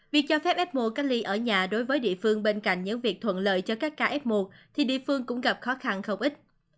việc cho phép fmo cách ly ở nhà đối với địa phương bên cạnh những việc thuận lợi cho các ca f một thì địa phương cũng gặp khó khăn không ít